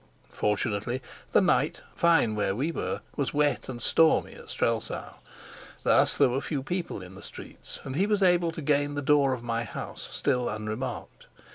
Fortunately the night, fine where we were, was wet and stormy at Strelsau; thus there were few people in the streets, and he was able to gain the door of my house still unremarked.